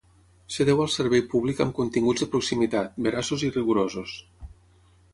Es deu al servei públic amb continguts de proximitat, veraços i rigorosos.